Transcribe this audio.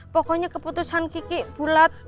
pokoknya keputusan kiki bulat